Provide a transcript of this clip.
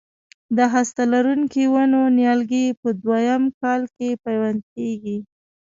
د هسته لرونکو ونو نیالګي په دوه یم کال پیوند کېږي.